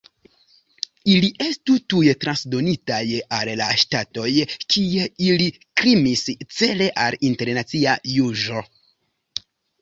Ili estu tuj transdonitaj al la ŝtatoj, kie ili krimis, cele al internacia juĝo.